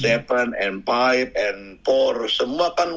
karena kita kedua dua berpengalaman